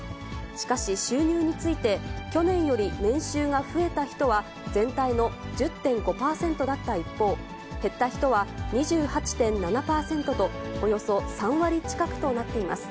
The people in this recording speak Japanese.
しかし収入について、去年より年収が増えた人は、全体の１０．５％だった一方、減った人は２８．７％と、およそ３割近くとなっています。